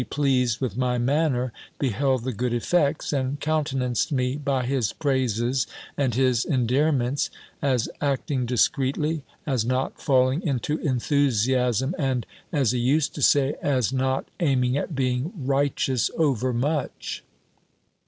pleased with my manner beheld the good effects, and countenanced me by his praises and his endearments, as acting discreetly, as not falling into enthusiasm, and (as he used to say) as not aiming at being righteous overmuch.